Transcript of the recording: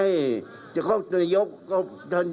ไม่ใช่ผม